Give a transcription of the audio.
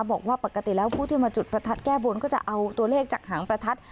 บอกว่าปกติแล้วผู้ที่มาจุดประทัดแก้บนก็จะเอาตัวเลขจากหางประทัด